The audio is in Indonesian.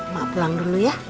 mak pulang dulu ya